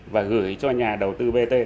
và gửi cho nhà đầu tư vetc